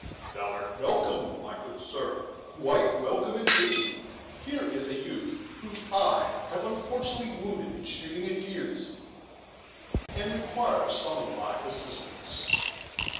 "Thou art welcome, my good sir, quite welcome, indeed; here is a youth whom I have unfortunately wounded in shooting a deer this evening, and who requires some of thy assistance."